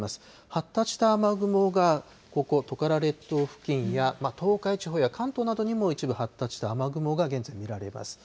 発達した雨雲がここ、トカラ列島付近や東海地方や関東などにも一部発達した雨雲が、現在見られます。